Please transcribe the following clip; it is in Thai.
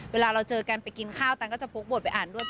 เวลาเราเจอกันไปกินข้าวตังก็จะพกบวชไปอ่านด้วย